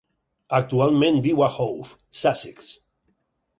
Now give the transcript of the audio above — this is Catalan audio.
Actualment viu a Hove, Sussex.